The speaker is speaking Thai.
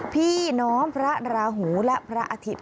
พี่น้องพระราหูและพระอาทิตย์